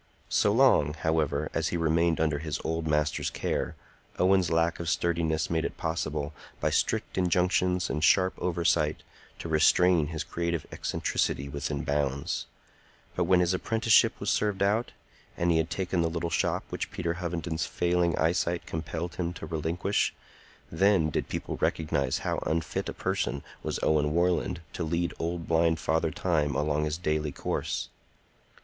So long, however, as he remained under his old master's care, Owen's lack of sturdiness made it possible, by strict injunctions and sharp oversight, to restrain his creative eccentricity within bounds; but when his apprenticeship was served out, and he had taken the little shop which Peter Hovenden's failing eyesight compelled him to relinquish, then did people recognize how unfit a person was Owen Warland to lead old blind Father Time along his daily course.